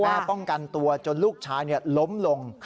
ป้องกันตัวจนลูกชายล้มลง